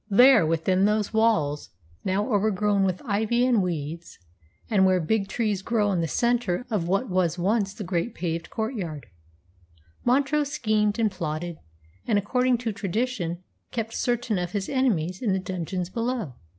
There, within those walls, now overgrown with ivy and weeds, and where big trees grow in the centre of what was once the great paved courtyard, Montrose schemed and plotted, and, according to tradition, kept certain of his enemies in the dungeons below.